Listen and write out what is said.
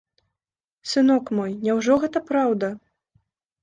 Сынок мой, няўжо гэта праўда?